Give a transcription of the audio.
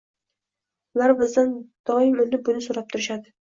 Ular bizdan doim uni buni soʻrab turishadi